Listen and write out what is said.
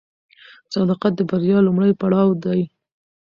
صداقت د بریا لومړی پړاو دی.